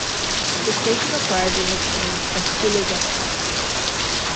The station acquired the nickname of "Hooligan Halt".